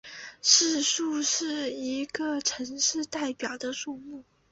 市树是一个城市的代表树木。